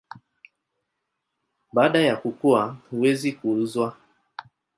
Baada ya kukua huweza kuuzwa.